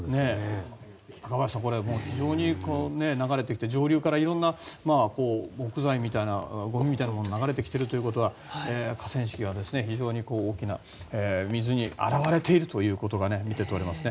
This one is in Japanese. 中林さん、非常に流れてきて上流から色んな木材みたいなゴミみたいなものが流れてきているということは河川敷は非常に大きな水に洗われているということが見て取れますね。